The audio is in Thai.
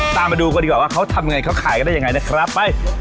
ตามมาดูกันดีกว่าว่าเขาทำไงเขาขายกันได้ยังไงนะครับไป